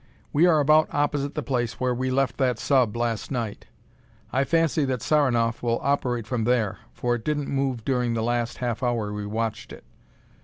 "We are about opposite the place where we left that sub last night. I fancy that Saranoff will operate from there, for it didn't move during the last half hour we watched it.